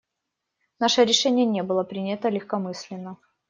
Наше решение не было принято легкомысленно.